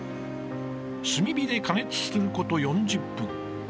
炭火で加熱すること４０分。